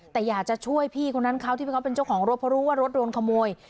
แต่อยากจะช่วยพี่คนนั้นเขาที่เขาเป็นเจ้าของรถเพราะรู้ว่ารถโดนขโมย